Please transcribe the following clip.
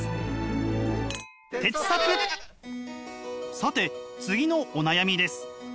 さて次のお悩みです。